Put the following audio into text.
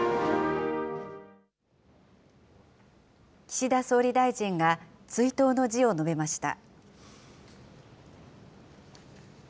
岸田総理大臣が追悼の辞を述べました。